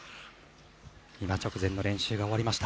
今、直前の練習が終わりました。